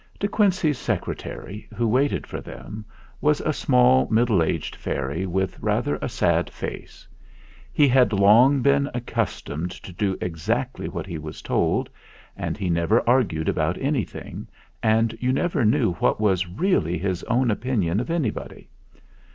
De Quincey's Secretary, who waited for them, was a small middle aged fairy with rather a sad face. He had long been accus tomed to do exactly what he was told, and he never argued about anything, and you never knew what was really his own opinion of any body.